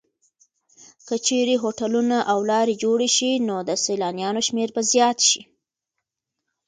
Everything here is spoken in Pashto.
که چېرې هوټلونه او لارې جوړې شي نو د سېلانیانو شمېر به زیات شي.